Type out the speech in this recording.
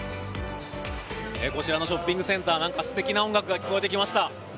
こちらのショッピングセンター何か素敵な音楽が聴こえてきました。